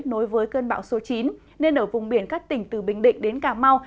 nối với cơn bão số chín nên ở vùng biển các tỉnh từ bình định đến cà mau